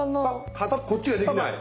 こっちができない！